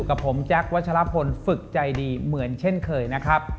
กับผมแจ๊ควัชลพลฝึกใจดีเหมือนเช่นเคยนะครับ